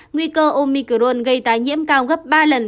nguy cơ omicron gây tái nhiễm cao gấp ba lần